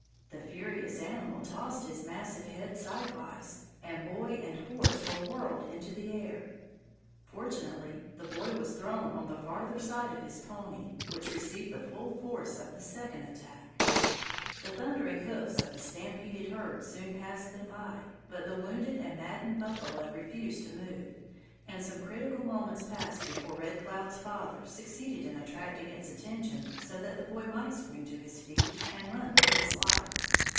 The furious animal tossed his massive head sidewise, and boy and horse were whirled into the air. Fortunately, the boy was thrown on the farther side of his pony, which received the full force of the second attack. The thundering hoofs of the stampeded herd soon passed them by, but the wounded and maddened buffalo refused to move, and some critical moments passed before Red Cloud's father succeeded in attracting its attention so that the boy might spring to his feet and run for his life.